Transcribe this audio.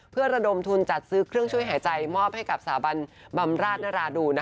เพื่อระดมทุนจัดซื้อเครื่องช่วยหายใจมอบให้กับสถาบันบำราชนราดูน